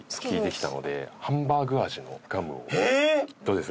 どうです？